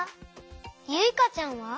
ゆいかちゃんは？